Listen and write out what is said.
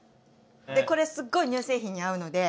でこれすっごい乳製品に合うので。